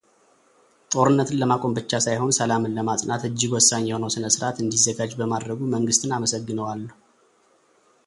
ጦርነትን ለማቆም ብቻ ሳይሆን ሰላምን ለማጽናት እጅግ ወሳኝ የሆነው ሥነ ሥርዓት እንዲዘጋጅ በማድረጉ መንግሥትን አመስግነዋል።